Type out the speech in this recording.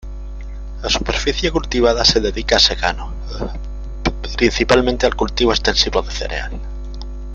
La superficie cultivada se dedica a secano, principalmente al cultivo extensivo de cereal.